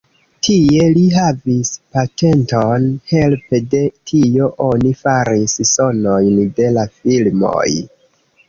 Tie li havis patenton, helpe de tio oni faris sonojn de la filmoj.